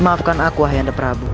maafkan aku ayanda prabu